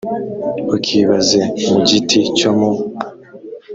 ukibaze mu giti cyo mu